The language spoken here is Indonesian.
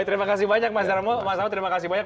terima kasih banyak mas darmo mas amo terima kasih banyak